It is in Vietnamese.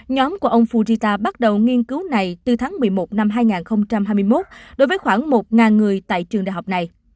nhóm của ông fujita bắt đầu nghiên cứu này từ tháng một mươi một năm hai nghìn hai mươi một đối với khoảng một người tại trường đại học này